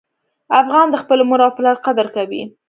افغان د خپلې مور او پلار قدر کوي.